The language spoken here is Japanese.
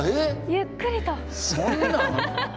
ゆっくりと。